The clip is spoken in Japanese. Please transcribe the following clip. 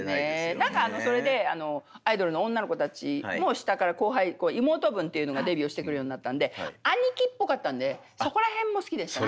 何かあのそれでアイドルの女の子たちも下から後輩妹分っていうのがデビューしてくるようになったんで兄貴っぽかったんでそこら辺も好きでしたね。